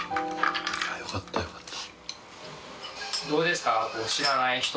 よかったよかった。